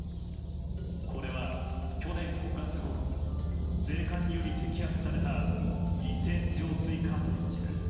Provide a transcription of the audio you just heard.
これは去年５月ごろ税関により摘発された偽浄水カートリッジです。